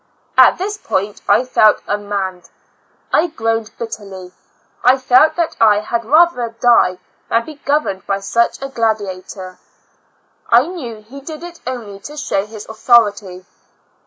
At this point I felt unmanned; I groaned bitterly; I felt that I had rather die than be governed by such a gladiator. I knew he did it only to show his autho rity.